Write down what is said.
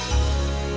ya kayak om dudung gitu